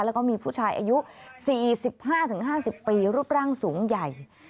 แล้วก็มีผู้ชายอายุ๔๕๕๐ปีรูปร่างสูงใหญ่